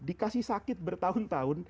dikasih sakit bertahun tahun